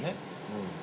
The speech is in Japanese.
うん